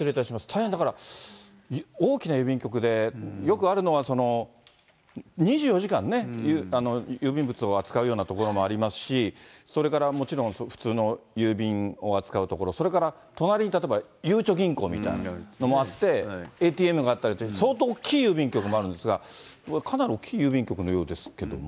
大変、だから、大きな郵便局で、よくあるのは、２４時間郵便物を扱うような所もありますし、それからもちろん普通の郵便を扱う所、それから隣に例えばゆうちょ銀行みたいなのもあって、ＡＴＭがあったり、相当大きい郵便局もあるんですが、かなり大きい郵便局のようですけども。